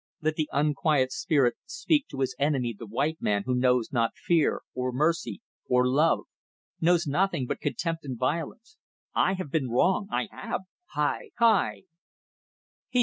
Let the unquiet spirit speak to his enemy the white man who knows not fear, or love, or mercy knows nothing but contempt and violence. I have been wrong! I have! Hai!